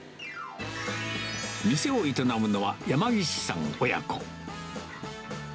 店を営むのは山岸さん親子。